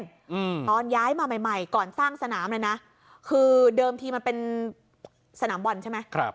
อืมตอนย้ายมาใหม่ใหม่ก่อนสร้างสนามเลยนะคือเดิมทีมันเป็นสนามบอลใช่ไหมครับ